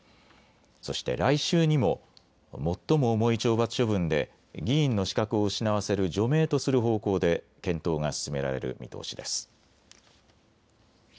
そして来週にも最も重い懲罰処分で議員の資格を失わせる除名とする方向で検討が進められる見通しです。